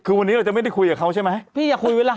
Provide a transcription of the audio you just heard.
คือวันนี้เราจะไม่ได้คุยกับเขาใช่ไหมพี่อยากคุยไหมล่ะ